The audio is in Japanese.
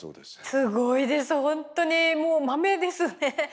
すごいですほんとにもうまめですね。